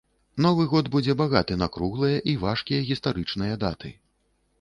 Новы год будзе багаты на круглыя і важкія гістарычныя даты.